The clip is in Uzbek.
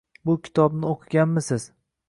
Bu kitobni oʻqiganmisiz!